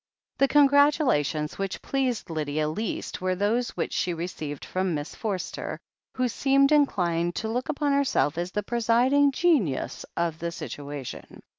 The congratulations which pleased Lydia least were those which she received from Miss Forster, who seemed inclined to look upon herself as the presiding genius of the situation.